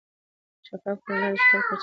شفاف کړنلارې د شخړو کچه راکموي.